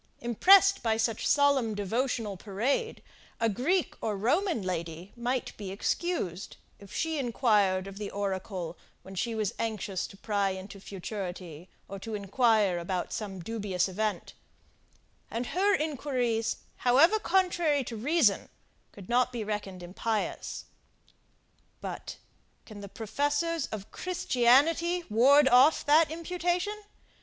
Impressed by such solemn devotional parade, a Greek or Roman lady might be excused, if she inquired of the oracle, when she was anxious to pry into futurity, or inquire about some dubious event: and her inquiries, however contrary to reason, could not be reckoned impious. But, can the professors of Christianity ward off that imputation?